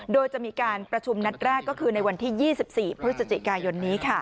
โดยจะมีการประชุมนัดแรกก็คือในวันที่๒๔พฤศจิกายนนี้